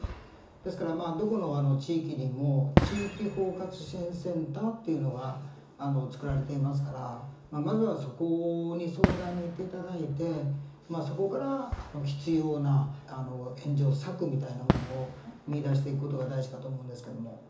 ですからどこの地域にも地域包括支援センターっていうのが作られていますからまずはそこに相談に行って頂いてそこから必要な援助策みたいなものを見いだしていく事が大事かと思うんですけども。